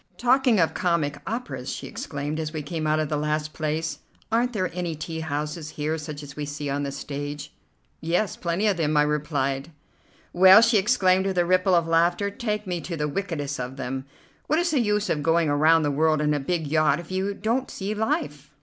"Talking of comic operas," she exclaimed as we came out of the last place, "Aren't there any tea houses here, such as we see on the stage?" "Yes, plenty of them," I replied. "Well," she exclaimed with a ripple of laughter, "take me to the wickedest of them. What is the use of going around the world in a big yacht if you don't see life?"